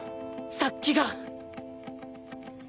殺気が。